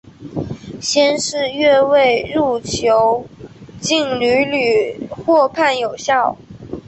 先是越位入球竟屡屡获判有效。